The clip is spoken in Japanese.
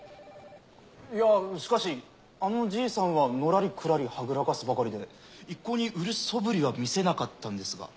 いやしかしあのじいさんはのらりくらりはぐらかすばかりで一向に売るそぶりは見せなかったんですが。